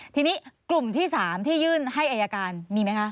ทีนี้กลุ่มที่๓ที่ยื่นให้อายการมีไหมคะ